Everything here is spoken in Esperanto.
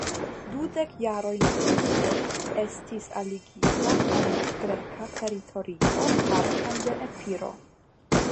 Dudek jarojn poste, estis aligita al la greka teritorio parton de Epiro.